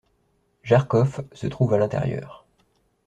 Jarkov se trouve à l'intérieur.